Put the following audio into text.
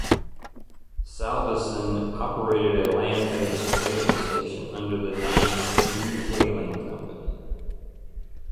Salvesen operated a land based whaling station under the name "New Whaling Company".